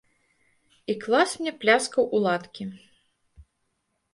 І клас мне пляскаў у ладкі.